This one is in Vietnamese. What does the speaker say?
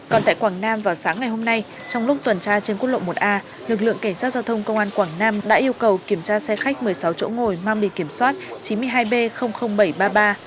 còn tại quảng nam vào sáng ngày hôm nay trong lúc tuần tra trên quốc lộ một a lực lượng cảnh sát giao thông công an quảng nam đã yêu cầu kiểm tra xe khách một mươi sáu chỗ ngồi mang biệt kiểm soát chín mươi hai b bảy trăm ba mươi ba